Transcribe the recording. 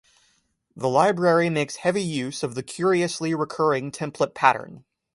The library makes heavy use of the Curiously recurring template pattern.